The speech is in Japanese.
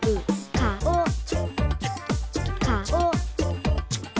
「かおかおだ」